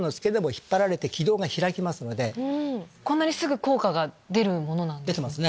こんなすぐ効果が出るんですね。